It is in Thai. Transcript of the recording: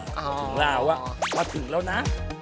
ถึงลาวมาถึงแล้วนะ